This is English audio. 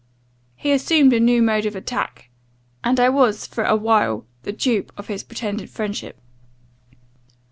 He assumed a new mode of attack, and I was, for a while, the dupe of his pretended friendship.